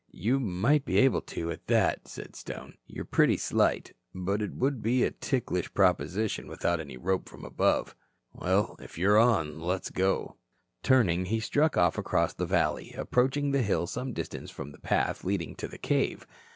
"You might be able to, at that," said Stone. "You're pretty slight. But it would be a ticklish proposition without any rope from above. Well, if you're on, let's go." Turning he struck off across the valley, approaching the hill some distance from the path leading to the cave.